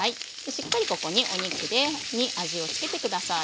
しっかりここにお肉に味をつけて下さい。